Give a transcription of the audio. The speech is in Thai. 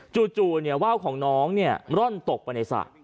จู่ว่าวของน้องร่อนตกไปในสระ